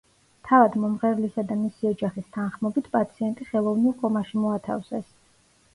თავად მომღერლისა და მისი ოჯახის თანხმობით, პაციენტი ხელოვნურ კომაში მოათავსეს.